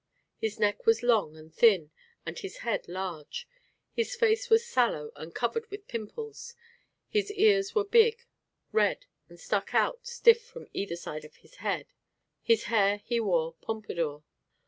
His neck was long and thin and his head large, his face was sallow and covered with pimples, his ears were big, red and stuck out stiff from either side of his head. His hair he wore "pompadour."